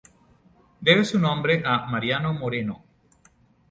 Debe su nombre a Mariano Moreno.